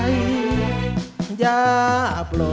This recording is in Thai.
ไม่ใช้ครับไม่ใช้ครับ